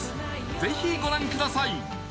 ぜひご覧ください